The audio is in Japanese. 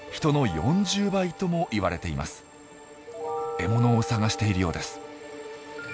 獲物を探しているようです。